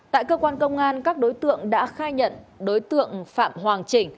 tại cơ quan công an các đối tượng đã khai nhận đối tượng phạm hoàng chỉnh